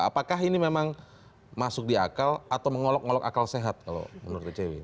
apakah ini memang masuk di akal atau mengolok ngolok akal sehat kalau menurut dcw